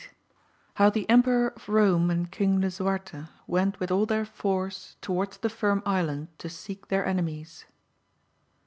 — How the Emperor of Rome and King Lisu arte went with all their force towards the Firm Island to seek their enemies.